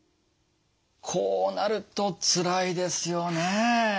こうなるとつらいですよね。